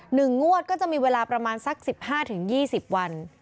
หนึ่งงวดก็จะมีเวลาประมาณสัก๑๕๒๐วัน